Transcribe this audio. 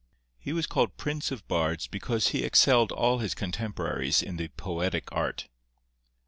He was called Prince of Bards because he excelled all his contemporaries in the poetic art.